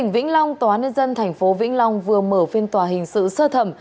vĩnh long tòa nơi dân thành phố vĩnh long vừa mở phiên tòa hình sự sơ thẩm